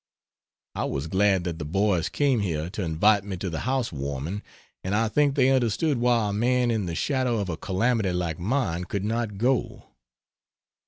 I was glad that the boys came here to invite me to the house warming and I think they understood why a man in the shadow of a calamity like mine could not go.